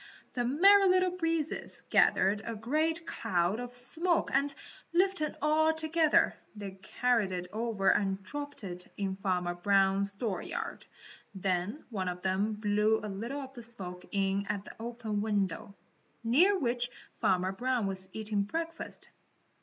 The Merry Little Breezes gathered a great cloud of smoke and, lifting all together, they carried it over and dropped it in Farmer Brown's dooryard. Then one of them blew a little of the smoke in at an open window, near which Farmer Brown was eating breakfast.